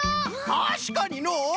たしかにのう！